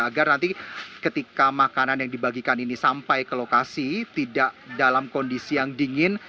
agar nanti ketika makanan yang dibagikan ini sampai ke lokasi tidak dalam kondisi yang dingin